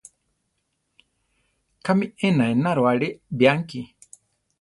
¿Kámi ena enaro alé bianki?